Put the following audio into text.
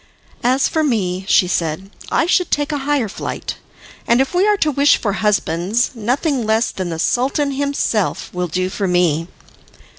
"As for me," she said, "I should take a higher flight; and if we are to wish for husbands, nothing less than the Sultan himself will do for me."